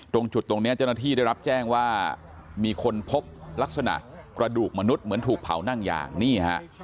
ตรงจุดตรงนี้เจ้าหน้าที่ได้รับแจ้งว่ามีคนพบลักษณะกระดูกมนุษย์เหมือนถูกเผานั่งยางนี่ฮะ